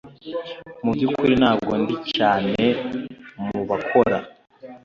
Mubyukuri ntabwo ndi cyane mubakora